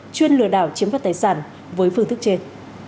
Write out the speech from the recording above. chuyên lừa đảo chiếm đoạt tài sản với phương thức trên